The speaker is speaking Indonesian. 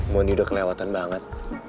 mohon diudah kelewatan banget